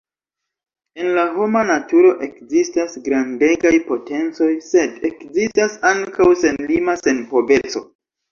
En la homa naturo ekzistas grandegaj potencoj, sed ekzistas ankaŭ senlima senpoveco.